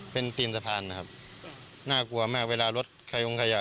เป็นตีนสะพานนะครับน่ากลัวมากเวลารถใครลงขยะ